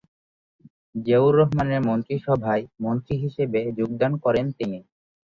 জিয়াউর রহমানের মন্ত্রীসভায় মন্ত্রী হিসেবে যোগদান করেন তিনি।